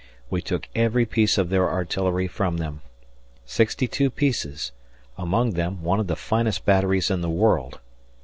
We took every piece of their artillery from them 62 pieces among them, one of the finest batteries in the world.